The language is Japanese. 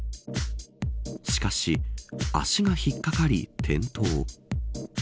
しかし、足が引っかかり転倒。